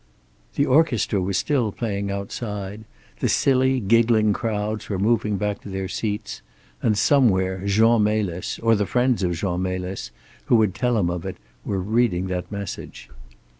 The orchestra was still playing outside; the silly, giggling crowds were moving back to their seats, and somewhere Jean Melis, or the friends of Jean Melis, who would tell him of it, were reading that message.